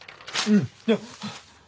うん！